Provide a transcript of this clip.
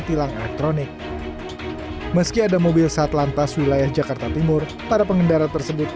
tilang elektronik meski ada mobil satlantas wilayah jakarta timur para pengendara tersebut